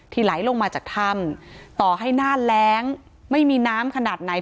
ไหลลงมาจากถ้ำต่อให้หน้าแรงไม่มีน้ำขนาดไหน